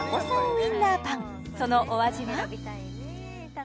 ウインナーパンそのお味は？